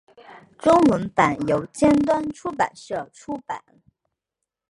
中文版由尖端出版社出版。